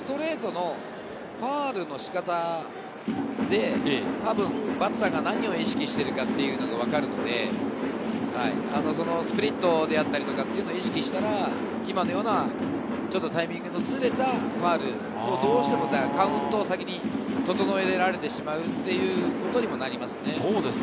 ストレートのファウルの仕方でたぶんバッターが何を意識しているかというのがわかるので、スプリットであったり、そういうのを意識したら、今のようなタイミングのズレたファウル、どうしてもカウントを先に整えられてしまうということになりますね。